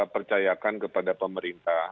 percayakan kepada pemerintah